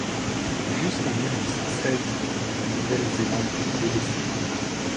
Jusqu’en mille huit cent seize, la Nouvelle-Zélande fut délaissée.